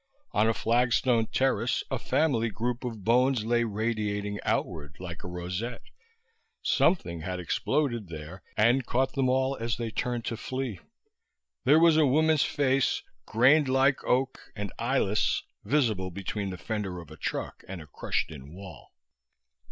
On a flagstone terrace a family group of bones lay radiating outward, like a rosette. Something had exploded there and caught them all as they turned to flee. There was a woman's face, grained like oak and eyeless, visible between the fender of a truck and a crushed in wall.